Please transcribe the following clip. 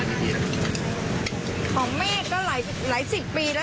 อันนี้เขารู้สึกจะกี่กว่า